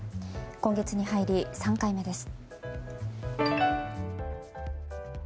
今月に入り３回目です。